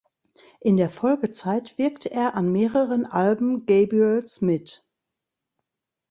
In der Folgezeit wirkte er an mehreren Alben Gabriels mit.